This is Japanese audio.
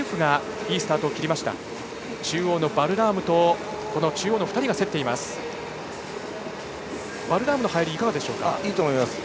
いいと思います。